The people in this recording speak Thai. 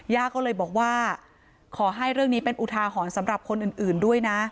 ย่าก็เลยบอกว่าขอให้เรื่องนี้เป็นอุทาหรณ์สำหรับคนอื่นด้วยนะ